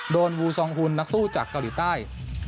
วูซองฮุนนักสู้จากเกาหลีใต้